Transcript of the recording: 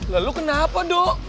lah lo kenapa do